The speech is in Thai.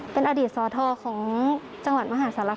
เป็นอดีตสทของจังหวัดมหาศาลคา